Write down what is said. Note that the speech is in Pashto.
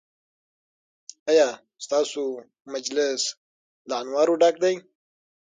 ایا ستاسو مجلس له انوارو ډک دی؟